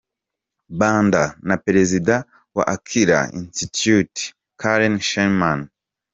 Banda na Perezida wa Akilah Institute, Karen Sherman.